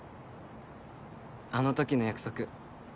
あの時の約束